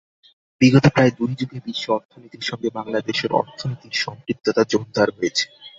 বিগত প্রায় দুই যুগে বিশ্ব অর্থনীতির সঙ্গে বাংলাদেশের অর্থনীতির সম্পৃক্ততা জোরদার হয়েছে।